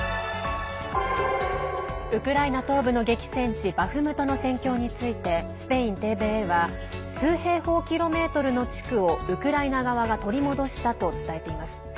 ウクライナ東部の激戦地バフムトの戦況についてスペインＴＶＥは数平方キロメートルの地区をウクライナ側が取り戻したと伝えています。